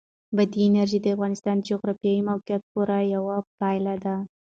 بادي انرژي د افغانستان د جغرافیایي موقیعت پوره یوه پایله ده.